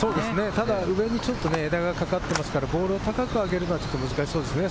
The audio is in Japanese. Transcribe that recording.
ただ上に、ちょっと枝がかかってますから、ボールを高く上げるのは難しそうですね。